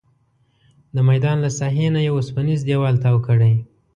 د میدان له ساحې نه یې اوسپنیز دیوال تاو کړی.